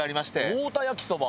太田焼きそば？